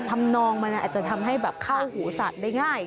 ทำนองมันอาจจะทำให้แบบเข้าหูสัตว์ได้ง่าย